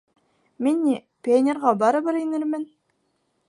— Мин, ни, пионерға барыбер инермен.